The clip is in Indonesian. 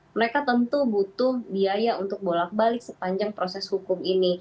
mereka tentu butuh biaya untuk bolak balik sepanjang proses hukum ini